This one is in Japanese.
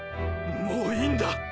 もういいんだ。